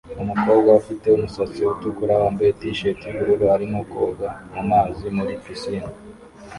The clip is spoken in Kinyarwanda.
Umukobwa ufite umusatsi utukura wambaye T-shirt yubururu arimo koga mumazi muri pisine